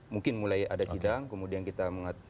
mungkin mulai ada sidang kemudian kita mengatakan